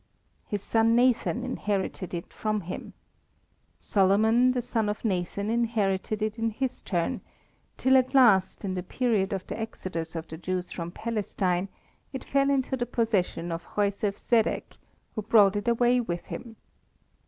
His son Nathan inherited it from him. Solomon, the son of Nathan, inherited it in his turn, till at last, in the period of the exodus of the Jews from Palestine, it fell into the possession of Joisef Zedek, who brought it away with him.